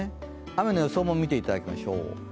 雨の予想も見ていただきましょう。